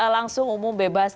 langsung umum bebas